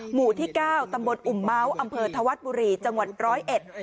หมู่ที่เก้าตำบลอุ่มเมาส์อำเภอธวัฒน์บุรีจังหวัดร้อยเอ็ด